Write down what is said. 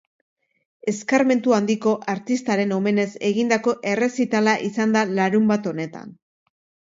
Eskarmentu handiko artistaren omenez egindako errezitala izan da larunbat honetan.